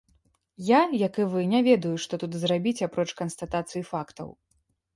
Я, як і вы, не ведаю, што тут зрабіць апроч канстатацыі фактаў.